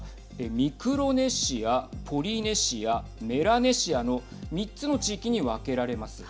ミクロネシア、ポリネシアメラネシアの３つの地域に分けられます。